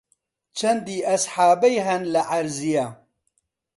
چەندی ئەسحابەی هەن لە عەرزییە